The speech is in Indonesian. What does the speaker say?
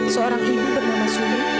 seorang ibu bernama suni